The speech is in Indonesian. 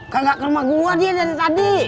kan gak ke rumah gue dia dari tadi